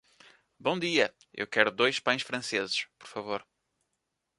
Bom dia! Eu quero dois pães franceses, por favor.